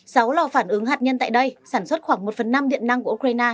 sáu lò phản ứng hạt nhân tại đây sản xuất khoảng một phần năm điện năng của ukraine